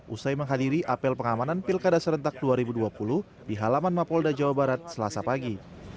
usai menghadiri apel pengamanan pilkada serentak dua ribu dua puluh di halaman mapolda jawa barat selasa pagi